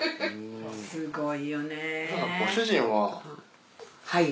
すごいよね。